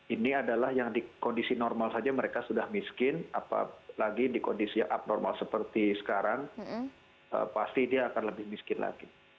ini adalah yang di kondisi normal saja mereka sudah miskin apalagi di kondisi abnormal seperti sekarang pasti dia akan lebih miskin lagi